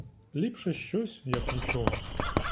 Ліпше щось, як нічого.